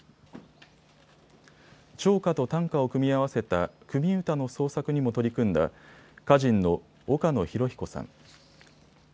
長歌と短歌を組み合わせた組歌の創作にも取り組んだ歌人の岡野弘彦さん。